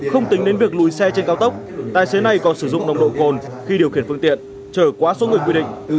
không tính đến việc lùi xe trên cao tốc tài xế này còn sử dụng nồng độ cồn khi điều khiển phương tiện trở quá số người quy định